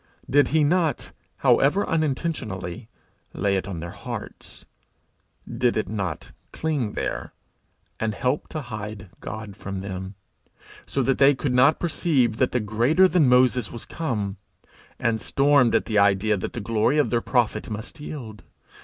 Did he not, however unintentionally, lay it on their hearts? Did it not cling there, and help to hide God from them, so that they could not perceive that the greater than Moses was come, and stormed at the idea that the glory of their prophet must yield?